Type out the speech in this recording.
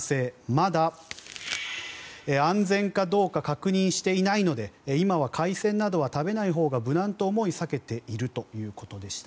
まだ安全かどうか確認していないので今は海鮮などは食べないほうが無難と思い避けているということでした。